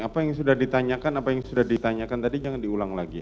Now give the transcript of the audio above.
apa yang sudah ditanyakan apa yang sudah ditanyakan tadi jangan diulang lagi